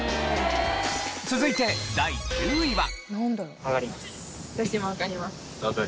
続いて第９位は。